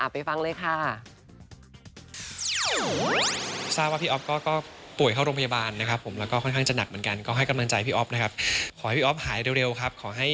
ไปฟังเลยค่ะ